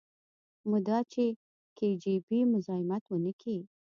مدا چې کي جي بي مزايمت ونکي.